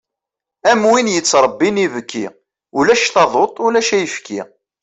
Am win yettrebbin ibki, ulac taduṭ ulac ayefki.